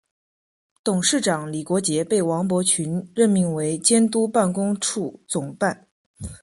董事长李国杰被王伯群任命为监督办公处总办。